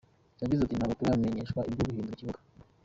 Yagize ati “Ntabwo turamenyeshwa ibyo guhindura ikibuga.